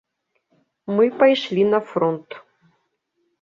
Мы пайшлі на фронт.